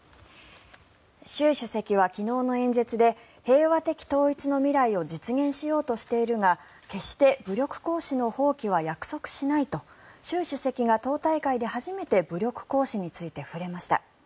習主席は昨日の演説で平和的統一の未来を実現しようとしているが決して武力行使の放棄は約束しないと習主席が党大会で初めて武力行使について触れました。